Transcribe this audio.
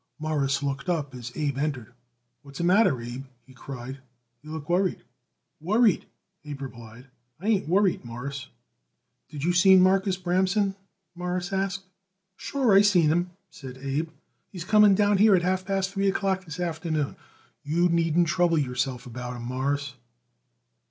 Morris looked up as Abe entered. "What's the matter, Abe?" he cried. "You look worried." "Worried!" Abe replied. "I ain't worried, Mawruss." "Did you seen Marcus Bramson?" Morris asked. "Sure I seen him," said Abe; "he's coming down here at half past three o'clock this afternoon. You needn't trouble yourself about him, Mawruss."